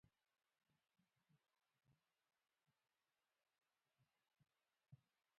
په افغانستان کې د د اوبو سرچینې د اړتیاوو پوره کولو لپاره اقدامات کېږي.